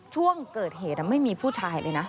ช่วงเกิดเหตุไม่มีผู้ชายเลยนะ